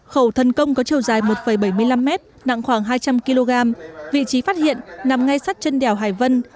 khẩu thần công có chiều dài một bảy mươi năm m nặng khoảng hai trăm linh kg vị trí phát hiện nằm ngay sát chân đèo hải vân